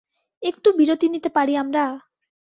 একটু বিরতি নিতে পারি আমরা?